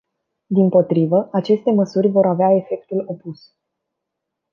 Dimpotrivă, aceste măsuri vor avea efectul opus.